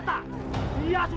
tetap with ibu